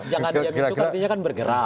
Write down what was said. jangan diam itu artinya kan bergerak